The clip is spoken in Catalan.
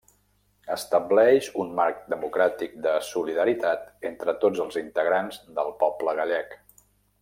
Estableix un marc democràtic de solidaritat entre tots els integrants del poble gallec.